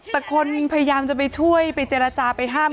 แต่คนพยายามจะไปช่วยไปเจรจาไปห้าม